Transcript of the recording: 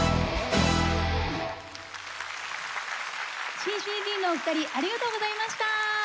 Ｃ−Ｃ−Ｂのお二人ありがとうございました！